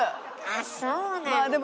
あっそうなんだ。